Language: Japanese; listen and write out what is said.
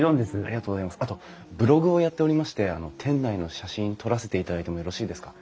あとブログをやっておりまして店内の写真撮らせていただいてもよろしいですか？